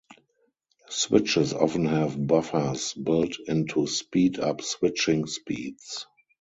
Switches often have buffers built in to speed up switching speeds.